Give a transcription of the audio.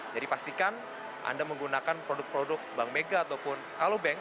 jadi pastikan anda menggunakan produk produk bank mega ataupun alubank